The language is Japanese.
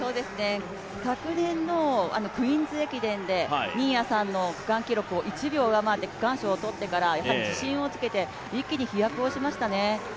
昨年のクイーンズ駅伝で新谷さんの区間記録を１秒上回って区間賞を取ってから自信をつけて一気に飛躍しましたね。